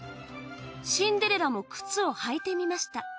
シンデレラも靴を履いてみました。